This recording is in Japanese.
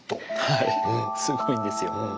はいすごいんですよ。